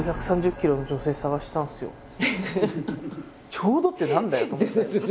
「『ちょうど』って何だよ」と思って。